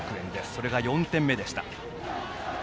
それが４点目でした。